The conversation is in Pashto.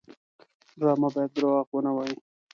ډرامه باید دروغ ونه وایي